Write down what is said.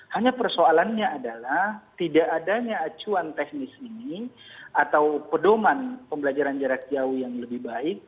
hanya persoalannya adalah tidak adanya acuan teknis ini atau pedoman pembelajaran jarak jauh yang lebih baik